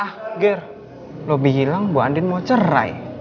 ah ger lo bilang bu andin mau cerai